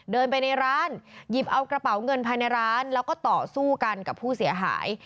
เดินไปในร้านหยิบเอากระเป๋าเงินภายในร้านแล้วก็ต่อสู้กันกับผู้เสียหาย